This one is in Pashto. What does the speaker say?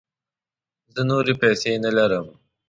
زه نوری پیسې نه لرم